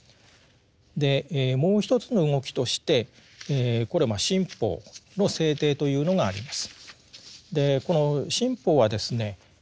でもう一つの動きとしてこれ新法の制定というのがあります。